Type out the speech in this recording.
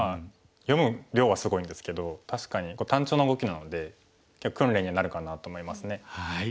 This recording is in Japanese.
読む量はすごいんですけど確かに単調な動きなので訓練になるかなと思いますね。